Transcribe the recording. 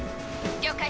了解。